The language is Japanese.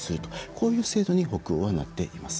こういう制度に北欧はなっています。